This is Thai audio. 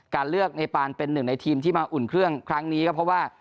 การเลือกเนปานเป็นหนึ่งในทีมที่มาอุ่นเครื่องครั้งนี้ก็เพราะว่า